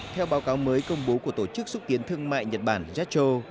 theo báo cáo mới công bố của tổ chức xúc tiến thương mại nhật bản jetro